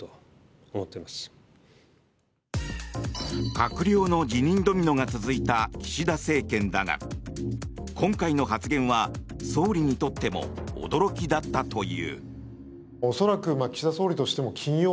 閣僚の辞任ドミノが続いた岸田政権だが今回の発言は総理にとっても驚きだったという。